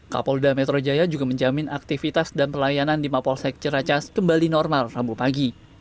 kapolda metro jaya juga menjamin aktivitas dan pelayanan di mapolsek ceracas kembali normal rambu pagi